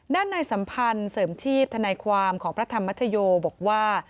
ด้านในสัมพันธ์เสริมชีพธนายความของพระธรรมชโยบอกว่า